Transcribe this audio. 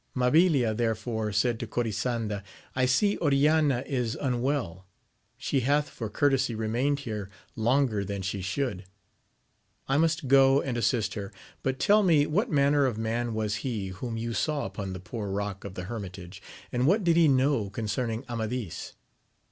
Mabiha therefore said to Corisanda, I see Oriana is unwell ; she hath for courtesy remained here longer than she should : I must go and assist her ; but tell me what manner of man was he whom you saw upon the Poor Eock of the Hermitage, and what did he know con: ceming Amadis